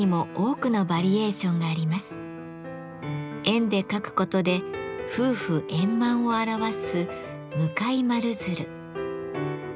円で描くことで夫婦円満を表す「向かい丸鶴」。